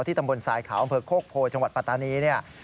ที่ตำบลทรายขาวอำเภอโคกโพยจังหวัดปรัตนี